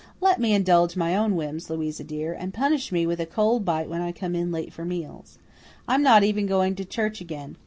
Let me indulge my own whims, Louisa dear, and punish me with a cold bite when I come in late for meals. I'm not even going to church again.